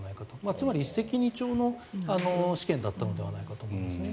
つまり、一石二鳥の試験だったのではないかと思います。